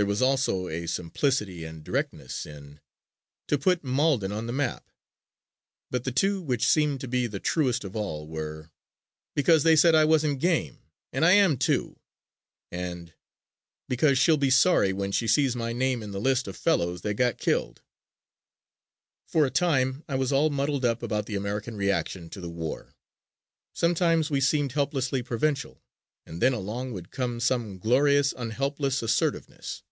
There was also a simplicity and directness in "to put Malden on the map." But the two which seemed to be the truest of all were, "Because they said I wasn't game and I am too" and "Because she'll be sorry when she sees my name in the list of the fellows that got killed." For a time I was all muddled up about the American reaction to the war. Sometimes we seemed helplessly provincial and then along would come some glorious unhelpless assertiveness.